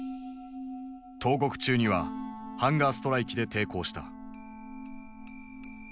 投獄中にはハンガーストライキで抵抗した。